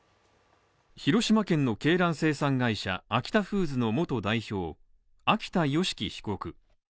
広島県の鶏卵生産会社アキタフーズの元代表・秋田善祺被告。